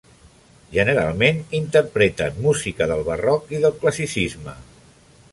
Generalment, interpreten música del barroc i del classicisme.